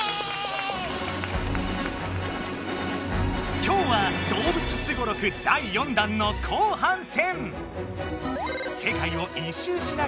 今日は動物スゴロク第４弾の後半戦！